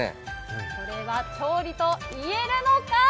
これは調理といえるのか？